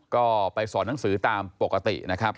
ก็ไปสอนหนังสือตามปกตินะครับ